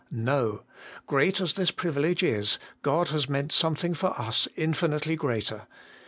No ; great as this privilege is, God has meant something for us infinitely greater.